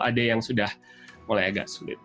ada yang sudah mulai agak sulit